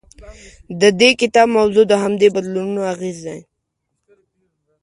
د دې کتاب موضوع د همدې بدلونونو اغېز دی.